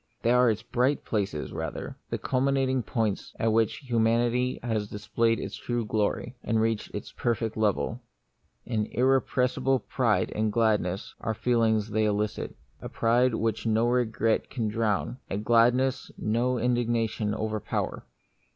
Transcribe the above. They are its bright places rather, the culmi nating points at which humanity has displayed its true glory, and reached its perfect level. An irrepressible pride and gladness are the feelings they elicit : a pride which no regret can drown, a gladness no indignation over power.